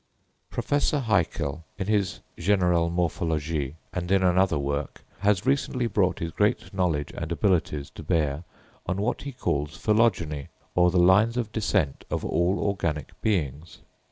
Professor Haeckel in his "Generelle Morphologie" and in another works, has recently brought his great knowledge and abilities to bear on what he calls phylogeny, or the lines of descent of all organic beings.